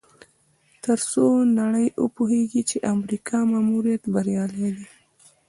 تر څو نړۍ وپوهیږي چې د امریکا ماموریت بریالی دی.